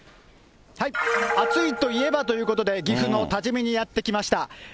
暑いといえばということで、岐阜の多治見にやって来ました。